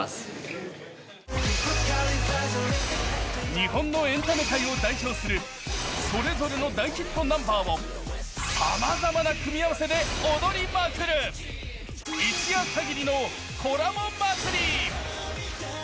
日本のエンタメ界を代表するそれぞれの大ヒットナンバーをさまざまな組み合わせで踊りまくる、一夜限りのコラボ祭り。